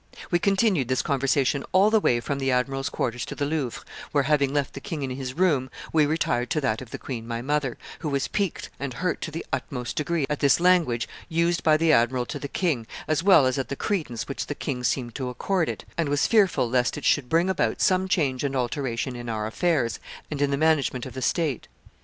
We continued this conversation all the way from the admiral's quarters to the Louvre, where, having left the king in his room, we retired to that of the queen my mother, who was piqued and hurt to the utmost degree at this language used by the admiral to the king, as well as at the credence which the king seemed to accord to it, and was fearful lest it should bring about some change and alteration in our affairs and in the management of the state.